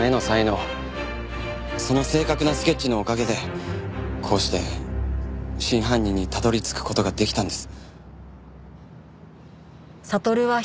その正確なスケッチのおかげでこうして真犯人にたどり着く事ができたんです。